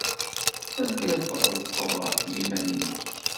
Telliḍ tɣellqeḍ ɣef yiman-nnek.